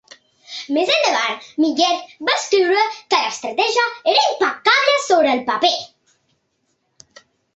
Més endavant, Miller va escriure que l'estratègia era impecable sobre el paper.